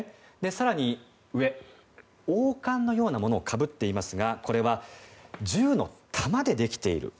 更に上、王冠のようなものをかぶっていますがこれは銃の弾でできている。